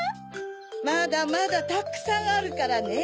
まだまだたくさんあるからね。